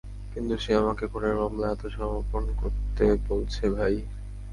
কিন্তু সে আমাকে খুনের মামলায় আত্মসমর্পণ করতে বলছে, ভাই।